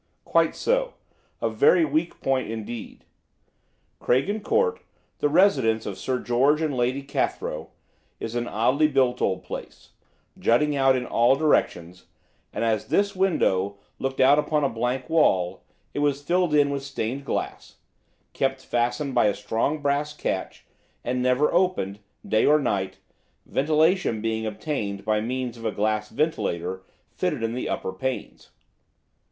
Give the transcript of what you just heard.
"Quite so. A very weak point indeed. Craigen Court, the residence of Sir George and Lady Cathrow, is an oddly built old place, jutting out in all directions, and as this window looked out upon a blank wall, it was filled in with stained glass, kept fastened by a strong brass catch, and never opened, day or night, ventilation being obtained by means of a glass ventilator fitted in the upper panes.